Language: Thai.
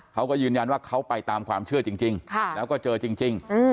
เขาก็ยืนยันว่าเขาไปตามความเชื่อจริงแล้วก็เจอจริง